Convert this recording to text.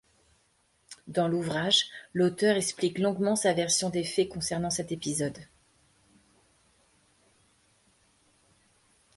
Dans l'ouvrage, l'auteur explique longuement sa version des faits concernant cet épisode.